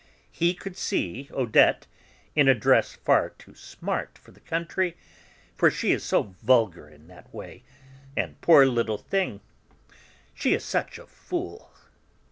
He could see Odette, in a dress far too smart for the country, "for she is so vulgar in that way, and, poor little thing, she is such a fool!"